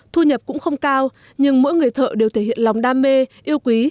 thu nhập cũng không cao nhưng mỗi người thợ đều thể hiện lòng đam mê yêu quý